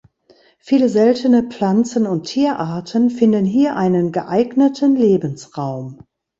Viele seltene Pflanzen- und Tierarten finden hier einen geeigneten Lebensraum.